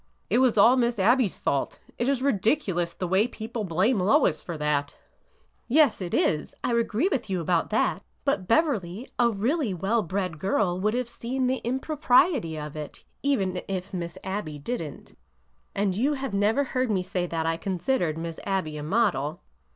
It was all Miss Abby's fault. It is ridiculous the way people blame Lois for that 1 " "Yes, it is— I agree with you about that;— but, Bev erly, a really well bred girl would have seen the impro priety of it, even if Miss Abby did n't. And you have never heard me say that I considered Miss Abby a model.